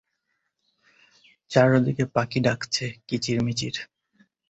প্রতিষ্ঠানটির পাশেই রয়েছে প্রবর্তক সংঘ।